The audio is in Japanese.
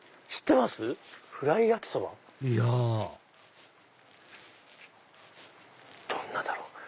いやどんなだろう？